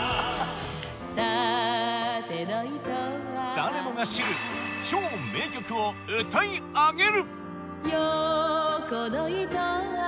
誰もが知る超名曲を歌い上げる